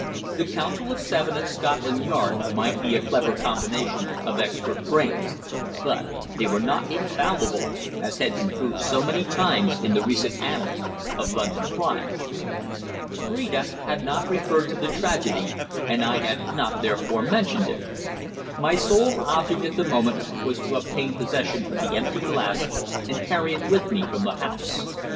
The Council of Seven at Scotland Yard might be a clever combination of expert brains, but they were not infallible, as had been proved so many times in the recent annals of London crime. Phrida had not referred to the tragedy, and I had not therefore mentioned it. My sole object at the moment was to obtain possession of the empty glass and carry it with me from the house.